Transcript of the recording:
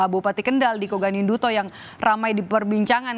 bupati kendal di kogan induto yang ramai diperbincangan